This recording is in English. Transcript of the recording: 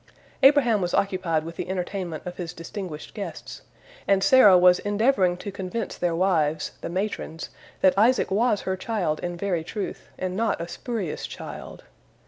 Abraham was occupied with the entertainment of his distinguished guests, and Sarah was endeavoring to convince their wives, the matrons, that Isaac was her child in very truth, and not a spurious child.